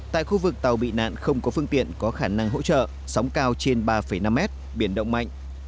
tại khu vực tàu bị nạn không có phương tiện có khả năng hỗ trợ sóng cao trên ba năm mét biển động mạnh